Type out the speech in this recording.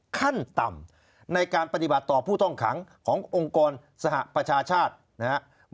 ขั้นต่ำในการปฏิบัติต่อผู้ต้องขังขององค์กรสหประชาชาตินะครับ